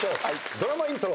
ドラマイントロ。